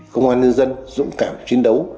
công an nhân dân dũng cảm chiến đấu